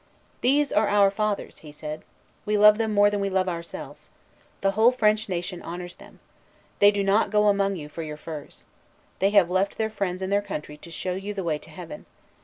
"These are our fathers," he said. "We love them more than we love ourselves. The whole French nation honors them. They do not go among you for your furs. They have left their friends and their country to show you the way to heaven.